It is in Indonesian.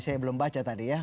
saya belum baca tadi ya